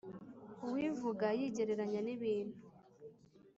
Uwivuga yigereranya n’ibintu